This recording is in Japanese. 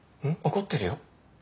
怒ってるよ。